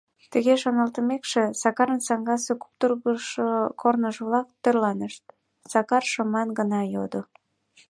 Тыге шоналтымекше, Сакарын саҥгасе куптыргышо корныж-влак тӧрланышт, Сакар шыман гына йодо: